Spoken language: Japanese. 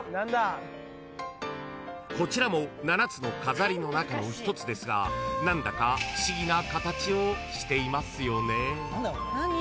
［こちらも７つの飾りの中の一つですが何だか不思議な形をしていますよね］